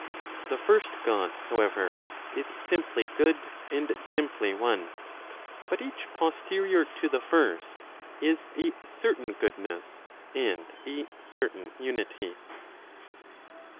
The first God, however, is simply good, and simply one. But each posterior to the first, is a certain goodness, and a certain unity.